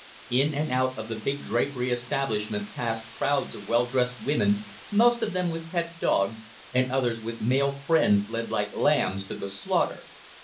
In and out of the big drapery establishment passed crowds of well dressed women, most of them with pet dogs, and others with male friends led like lambs to the slaughter.